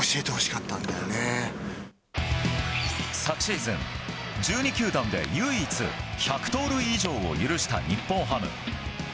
昨シーズン、１２球団で唯一１００盗塁以上を許した日本ハム。